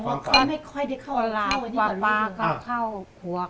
ของคุณยายถ้วน